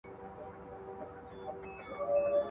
دلته برېتورو له مردیه لاس پرېولی دی.